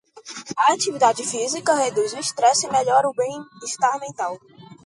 A atividade física reduz o estresse e melhora o bem-estar mental.